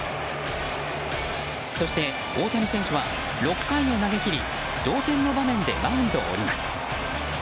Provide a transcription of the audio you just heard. そして大谷選手は６回を投げ切り同点の場面でマウンドを降ります。